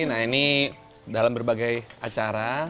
nah ini dalam berbagai acara